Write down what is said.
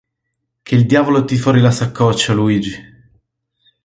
Che il diavolo ti fori la saccoccia, Luigi!